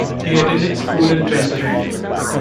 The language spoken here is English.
He attended school in Trenton.